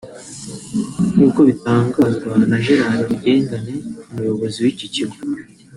nk’uko bitangazwa na Gerard Rugengane umuyobozi w’icyi kigo